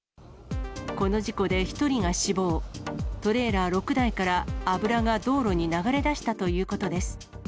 この事故で１人が死亡、トレーラー６台から油が道路に流れ出したということです。